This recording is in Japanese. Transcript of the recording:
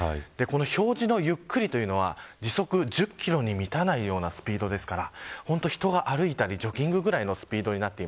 表示のゆっくり、というのは時速１０キロに満たないようなスピードですから本当に人が歩いたりジョギングするくらいのスピードです。